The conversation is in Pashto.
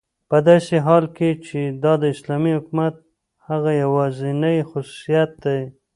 په داسي حال كې چې دا داسلامي حكومت هغه يوازينى خصوصيت دى